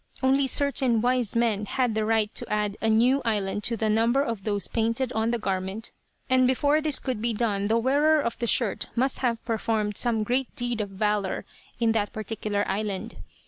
Only certain "wise men" had the right to add a new island to the number of those painted on the garment, and before this could be done the wearer of the shirt must have performed some great deed of valour in that particular island.